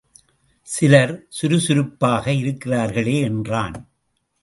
சிலர் சுருசுருப்பாக இருக்கிறார்களே என்றான்.